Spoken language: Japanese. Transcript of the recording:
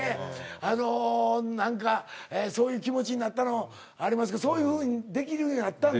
あの何かそういう気持ちになったのありますけどそういうふうにできるようになったんだ。